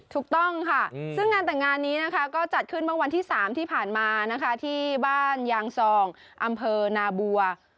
ถูกต้องค่ะซึ่งงานแต่งงานนี้นะคะก็จัดขึ้นเมื่อวันที่๓ที่ผ่านมานะคะที่บ้านยางซองอำเภอนาบัว